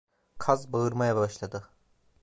Kaz bağırmaya başladı.